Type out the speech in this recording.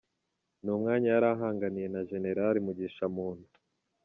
Ni umwanya yari ahanganiye na Generari Mugisha Muntu.